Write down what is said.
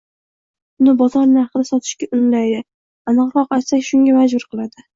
uni bozor narxida sotishga undaydi, aniqroq aytsak, shunga majbur qiladi.